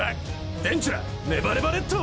デンチュラネバネバネット！